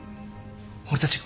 俺たちが？